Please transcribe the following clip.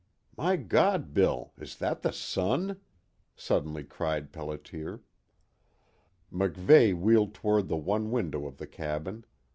"My God, Bill, is that the sun?" suddenly cried Pelliter. MacVeigh wheeled toward the one window of the cabin.